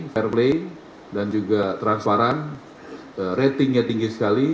fair play dan juga transparan ratingnya tinggi sekali